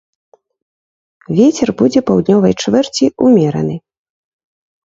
Вецер будзе паўднёвай чвэрці ўмераны.